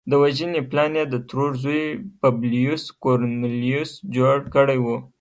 د وژنې پلان یې د ترور زوی پبلیوس کورنلیوس جوړ کړی و